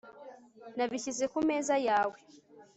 Nabishyize ku meza yawe